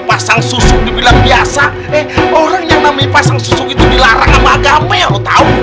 pasang susu dibilang biasa orang yang namanya pasang susu itu dilarang sama gampang tahu